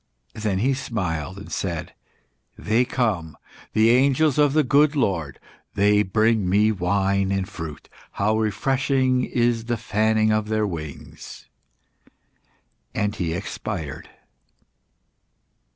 Then he smiled and said "They come, the angels of the good Lord. They bring me wine and fruit. How refreshing is the fanning of their wings!" And he expired.